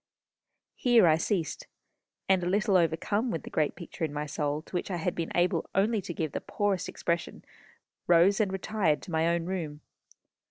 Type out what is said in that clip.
Here I ceased, and a little overcome with the great picture in my soul to which I had been able only to give the poorest expression, rose, and retired to my own room.